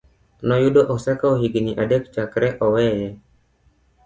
Noyudo osekawo higini adek chakre oweye.